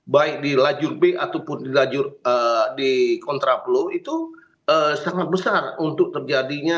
baik di lajur b ataupun di kontraplo itu sangat besar untuk terjadinya